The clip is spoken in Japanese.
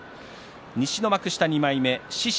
西の幕下２枚目獅司